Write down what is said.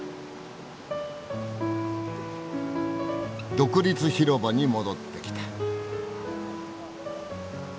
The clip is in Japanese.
独立広場に戻ってきた。